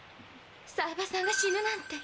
冴羽さんが死ぬなんて。